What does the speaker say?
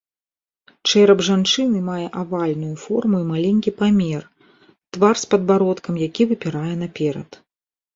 Чэрап жанчыны мае авальную форму і маленькі памер, твар з падбародкам, які выпірае наперад.